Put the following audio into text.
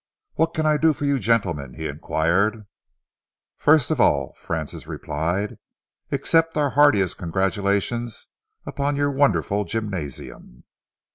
"What can I do for you, gentlemen?" he enquired. "First of all," Francis replied, "accept our heartiest congratulations upon your wonderful gymnasium."